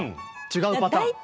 違うパターン。